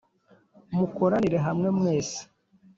mukoranire hamwe mwese.